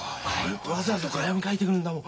わざわざ手紙書いてくるんだもん。